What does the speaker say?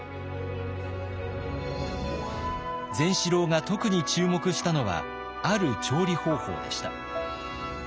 善四郎が特に注目したのはある調理方法でした。